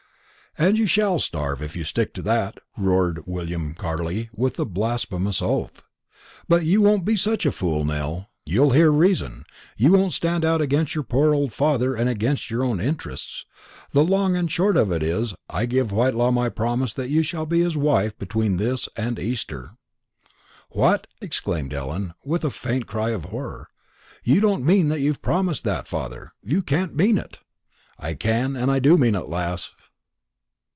"And you shall starve, if you stick to that," roared William Carley with a blasphemous oath. "But you won't be such a fool, Nell. You'll hear reason; you won't stand out against your poor old father and against your own interests. The long and the short of it is, I've given Whitelaw my promise that you shall be his wife between this and Easter." "What!" exclaimed Ellen, with a faint cry of horror; "you don't mean that you've promised that, father! You can't mean it!" "I can and do mean it, lass."